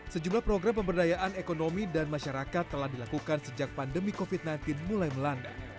sejumlah program pemberdayaan ekonomi dan masyarakat telah dilakukan sejak pandemi covid sembilan belas mulai melanda